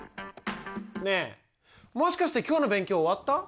ねえもしかして今日の勉強終わった？